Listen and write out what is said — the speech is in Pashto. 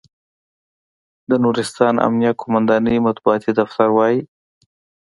د نورستان امنیه قوماندانۍ مطبوعاتي دفتر وایي،